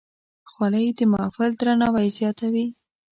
خولۍ د محفل درناوی زیاتوي.